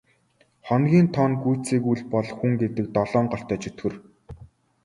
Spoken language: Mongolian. Хоногийн тоо нь гүйцээгүй л бол хүн гэдэг долоон голтой чөтгөр.